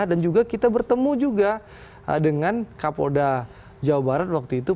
dan juga kita bertemu juga dengan kapolda jawa barat waktu itu